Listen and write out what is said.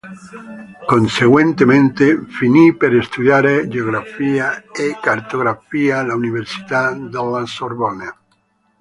Conseguentemente, finì per studiare geografia e cartografia all'Università della Sorbonne.